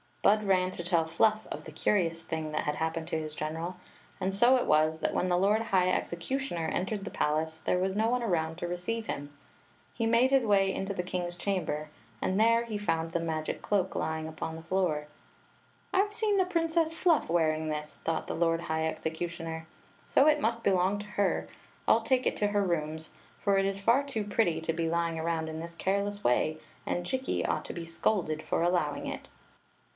Bud ran to tell Fluff of the curious thing that had happened to his general; and so it was that when the lord high executioner entered the palace there was no one around to receive him. He made his way into the kings chamber, and there he found the magic cloak lying upon the floor. " I Ve seen the Princess Fluff wearing this," thought the lord high executioner; "so it must belong to h^. I 11 t^e it to her rooms, for it is ht too pretty to be lying around in tliis careless way, and Jikki ought to be scolded for allowing it."